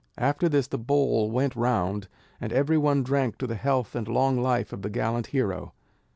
After this the bowl went round, and every one drank to the health and long life of the gallant hero.